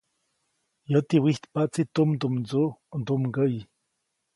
Yäti wijtpaʼtsi tumdumdsuʼ ndumgäʼyi.